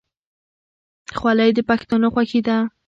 خولۍ د پښتنو خوښي ده.